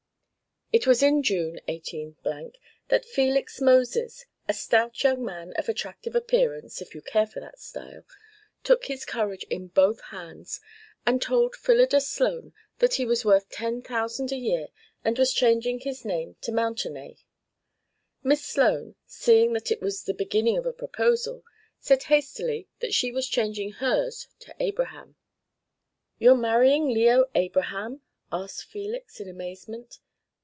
It was in June, 18 , that Felix Moses, a stout young man of attractive appearance (if you care for that style), took his courage in both hands, and told Phyllida Sloan that he was worth ten thousand a year and was changing his name to Mountenay. Miss Sloan, seeing that it was the beginning of a proposal, said hastily that she was changing hers to Abraham. "You're marrying Leo Abraham?" asked Felix in amazement.